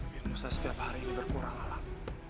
bila saya setiap hari ini berkurang alang